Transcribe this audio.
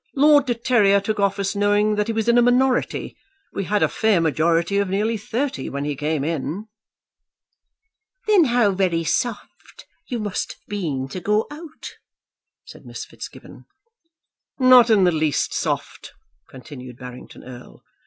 "Lord de Terrier took office knowing that he was in a minority. We had a fair majority of nearly thirty when he came in." "Then how very soft you must have been to go out," said Miss Fitzgibbon. "Not in the least soft," continued Barrington Erle.